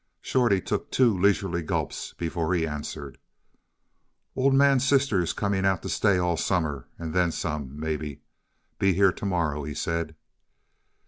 Shorty took two leisurely gulps before he answered: "Old Man's sister's coming out to stay all summer and then some, maybe. Be here to morrow, he said."